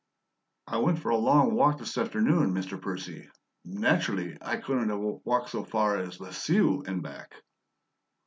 "I went for a long walk this afternoon, Mr. Percy. Naturally, I couldn't have walked so far as Lisieux and back."